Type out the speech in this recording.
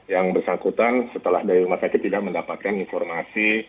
yang bersangkutan setelah dari rumah sakit tidak mendapatkan informasi